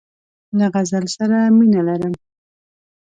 له غزل سره مینه لرم.